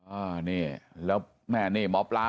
อ่านี่แล้วแม่นี่หมอปลา